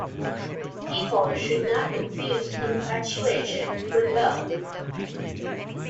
People should not confuse infatuation with love.